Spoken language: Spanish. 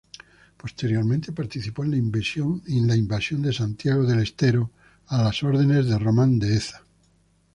Posteriormente participó en la invasión de Santiago del Estero a órdenes de Román Deheza.